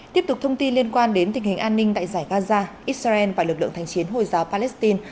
tiếp tục thông tin liên quan đến tình hình an ninh tại giải gaza israel và lực lượng thành chiến hồi giáo palestine